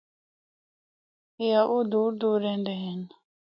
یا او دور دور رہندے ہن۔